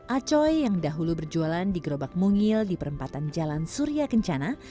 acoy yang dahulu berjualan di gerobak mungil di perempatan jalan surya kencana